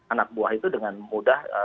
anak buah itu dengan mudah